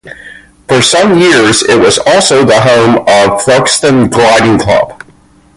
For some years it was also the home of Thruxton Gliding Club.